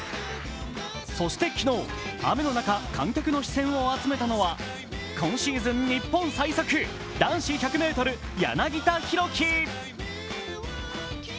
そして昨日、雨の中、観客の視線を集めたのは、今シーズン日本最速、男子１００ｍ、柳田大輝。